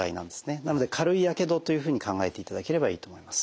なので軽いやけどというふうに考えていただければいいと思います。